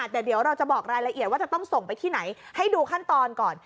แต่เดี๋ยวเราจะบอกรายละเอียดว่าจะต้องส่งไปที่ไหนให้ดูขั้นตอนก่อน